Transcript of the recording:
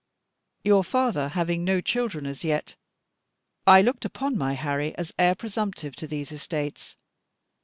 Your father having no children as yet, I looked upon my Harry as heir presumptive to these estates.